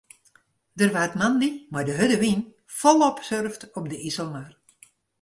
Der waard moandei mei de hurde wyn folop surft op de Iselmar.